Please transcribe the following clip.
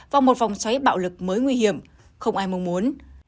vào một phòng xoáy bạo lực mới nguy hiểm không ai mong muốn